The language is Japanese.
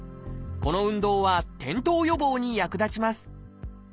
この運動は転倒予防に役立ちます